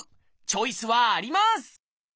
チョイスはあります！